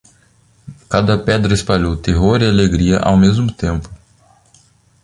Cada pedra espalhou terror e alegria ao mesmo tempo.